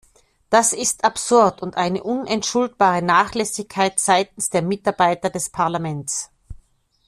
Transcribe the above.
Das ist absurd und eine unentschuldbare Nachlässigkeit seitens der Mitarbeiter des Parlaments.